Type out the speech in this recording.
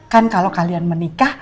kan kalau kalian menikah